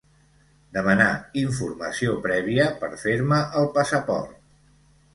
Demanar informació prèvia per fer-me el passaport.